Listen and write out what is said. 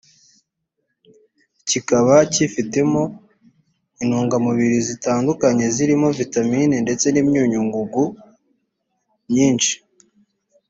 kikaba kifitemo intungamubiri zitandukanyezirimo vitamine ndetse n’imyunyungugu myinshi